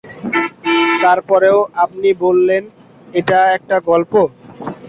তার পরেও আপনি বললেন এটা একটা গল্প?